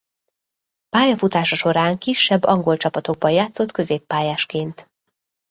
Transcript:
Pályafutása során kisebb angol csapatokban játszott középpályásként.